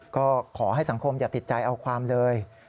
ก็ขอให้สังคมอย่าติดใจเอาความเลย